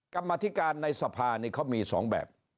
กรรมธิการในสภานี่เขามี๒แบบ